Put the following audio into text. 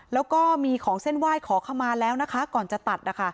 แล้วก็มีของเส้นไว้ขาวเข้ามาแล้วก่อนจะตัด